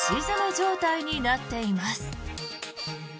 状態になっています。